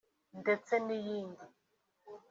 ndetse n’iyindi